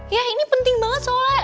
ya ini penting banget soalnya